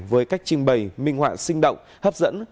với cách trưng bày minh họa sinh động hấp dẫn